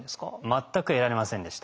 全く得られませんでした。